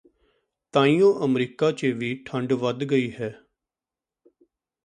ਤਾਈਉਂ America ਚ ਵੀ ਠੰਡ ਵੱਧ ਗਈ ਹੈ